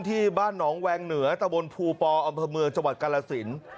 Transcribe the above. ที่บ้านหนองแวงเหนือตะบนภูปออำเภอเมืองจังหวัดกาลสิน